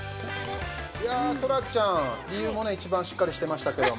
そらちゃん、理由も一番しっかりしてましたけども。